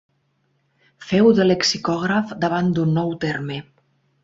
Feu de lexicògraf davant d'un nou terme.